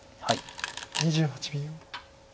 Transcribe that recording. ２８秒。